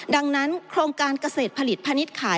ดังนั้นโครงการเกษตรผลิตพาณิชย์ขาย